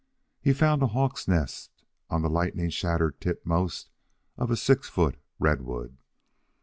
He found a hawk's nest on the lightning shattered tipmost top of a six foot redwood.